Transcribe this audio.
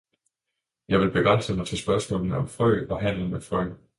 Jeg vil begrænse mig til spørgsmålene om frø og handel med frø.